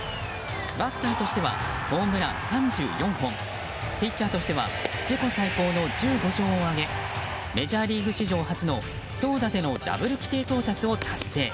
バッターとしてはホームラン３４本ピッチャーとしては自己最高の１５勝を挙げメジャーリーグ史上初の投打でのダブル規定到達を達成。